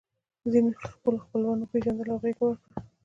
ځینو خپل خپلوان وپېژندل او غېږه یې ورکړه